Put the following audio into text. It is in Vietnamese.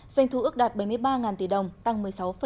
doanh thu ước đạt bảy mươi ba tỷ đồng tăng một mươi sáu năm